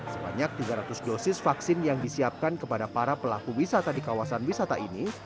sebanyak tiga ratus dosis vaksin yang disiapkan kepada para pelaku wisata di kawasan wisata ini